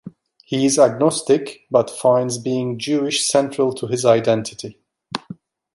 He is agnostic but finds being Jewish central to his identity.